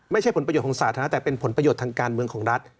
ไม่ใช่ผลประโยชนของสาธารณะแต่เป็นผลประโยชน์ทางการเมืองของรัฐ